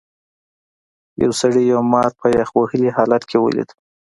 یو سړي یو مار په یخ وهلي حالت کې ولید.